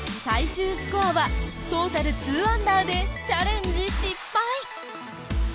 最終スコアはトータル２アンダーでチャレンジ失敗。